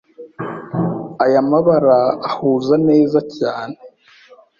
Aya mabara ahuza neza cyane.